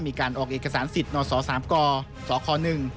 มีการออกเอกสารสิทธิ์นศสามกสคหนึ่ง